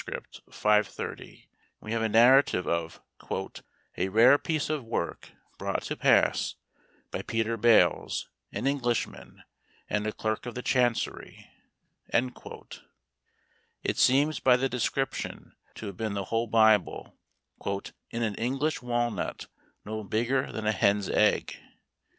530, we have a narrative of "a rare piece of work brought to pass by Peter Bales, an Englishman, and a clerk of the chancery;" it seems by the description to have been the whole Bible "in an English walnut no bigger than a hen's egg.